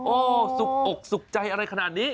โอ้โหสุขอกสุขใจอะไรขนาดนี้